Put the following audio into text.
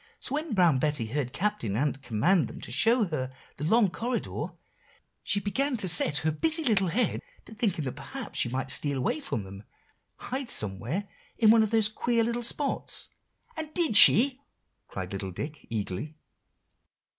So, when Brown Betty heard Captain Ant command them to show her the long corridor, she began to set her busy little head to thinking that perhaps she might steal away from them, and hide somewhere in one of these queer little spots." "And did she?" cried little Dick eagerly.